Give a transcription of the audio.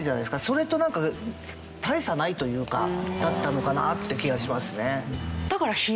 それとなんか大差ないというかだったのかなって気がしますね。